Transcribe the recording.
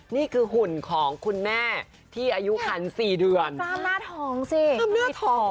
นี่คือหุ่นของคุณแม่ที่อายุคันสี่เดือนฝรั่งหน้าทองสิฝรั่งหน้าทอง